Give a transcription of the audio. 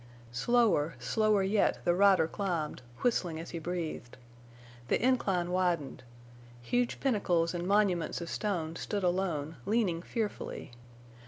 Slower, slower yet the rider climbed, whistling as he breathed. The incline widened. Huge pinnacles and monuments of stone stood alone, leaning fearfully.